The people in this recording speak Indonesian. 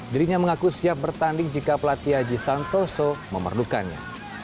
dirinya mengaku siap bertanding jika pelatih aji santoso memerlukannya